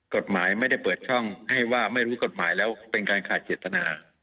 กฎหมายไม่ได้เปิดช่องให้ว่าไม่รู้กฎหมายแล้วเป็นการขาดเจตนา